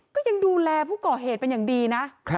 ก็ยังดูแลผู้ก่อเหตุเป็นอย่างดีนะ